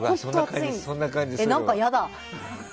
何かやだ！